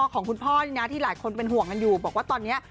ของคุณพ่อนี่นะที่หลายคนเป็นห่วงกันอยู่บอกว่าตอนนี้